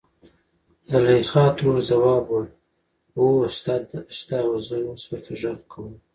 زليخا ترور ځواب وړ .هو شته زه اوس ورته غږ کوم.